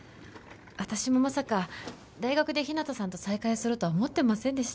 私もまさか大学で日向さんと再会するとは思ってませんでした